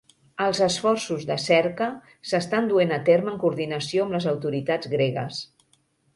Els esforços de cerca s'estan duent a terme en coordinació amb les autoritats gregues.